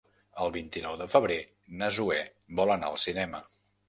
El vint-i-nou de febrer na Zoè vol anar al cinema.